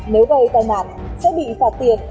nếu gây tai nạn sẽ bị phạt tiền